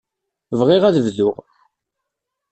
Bɣiɣ ad bduɣ.